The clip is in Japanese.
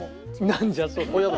なんじゃそりゃ！